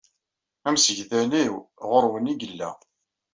Amsegdal-inu ɣer-wen ay yella.